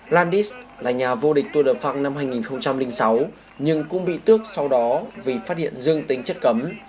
landis là nhà vua địch tour de france năm hai nghìn sáu nhưng cũng bị tước sau đó vì phát hiện dương tính chất cấm